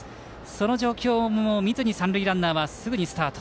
その状況を見ずに三塁ランナーはすぐにスタート。